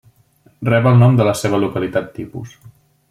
Rep el nom de la seva localitat tipus.